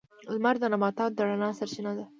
• لمر د نباتاتو د رڼا سرچینه ده.